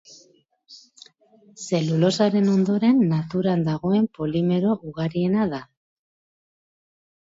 Zelulosaren ondoren naturan dagoen polimero ugariena da.